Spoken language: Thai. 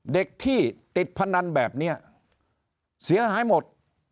เด็กที่ติดพนันแบบนี้เสียหายหมด